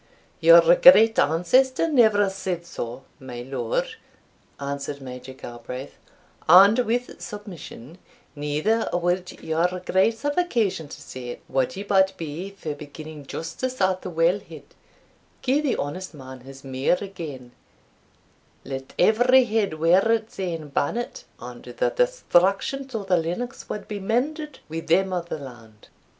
"Your great ancestor never said so, my Lord," answered Major Galbraith; "and, with submission, neither would your Grace have occasion to say it, wad ye but be for beginning justice at the well head Gie the honest man his mear again Let every head wear it's ane bannet, and the distractions o' the Lennox wad be mended wi' them o'the land."